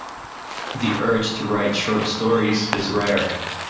The urge to write short stories is rare.